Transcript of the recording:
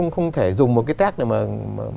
không thể dùng một cái test này